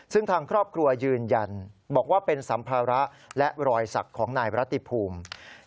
ซึ่งทางครอบครัวยืนยันบอกว่าเป็นสัมภาระและรอยศักดิ์ของนายรัติภูมิ